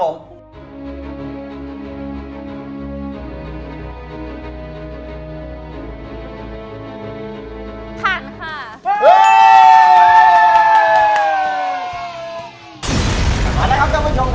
คัทนะครับตามุชมครับและช่วงหน้านะครับ